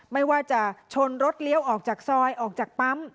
ไม่ว่าจะชนรถเลี้ยวออกจากซอยออกจากปั๊ม